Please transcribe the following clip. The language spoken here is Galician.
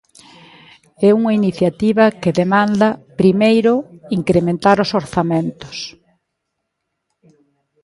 É unha iniciativa que demanda, primeiro, incrementar os orzamentos.